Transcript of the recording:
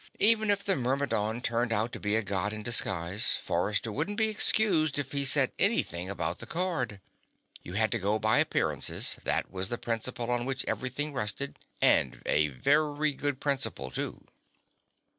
Even if the Myrmidon turned out to be a God in disguise, Forrester wouldn't be excused if he said anything about the card. You had to go by appearances; that was the principle on which everything rested, and a very good principle too.